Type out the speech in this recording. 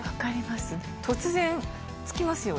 突然つきますよね